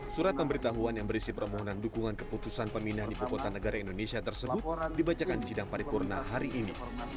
surat pemberitahuan yang berisi permohonan dukungan keputusan pemindahan ibu kota negara indonesia tersebut dibacakan di sidang paripurna hari ini